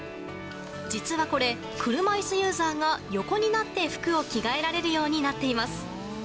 実はこれ車椅子ユーザーが横になって服を着替えられるようになっています。